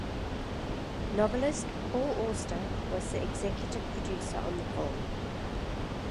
Novelist Paul Auster was the Executive Producer on the film.